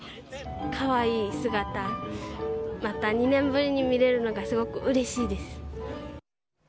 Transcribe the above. かわいい姿、また２年ぶりに見れるのが、すごくうれしいです。